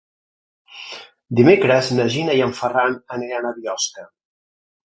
Dimecres na Gina i en Ferran aniran a Biosca.